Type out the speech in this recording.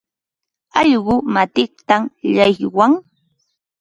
Allquu matintam llaqwan.